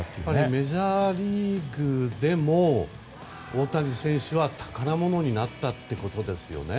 メジャーリーグでも大谷選手は宝物になったということですよね。